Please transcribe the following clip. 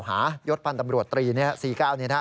หายดปันตำรวจตรี๔๙นี้